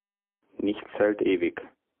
Nichts hält ewig.